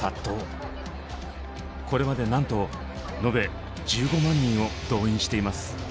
これまでなんと延べ１５万人を動員しています。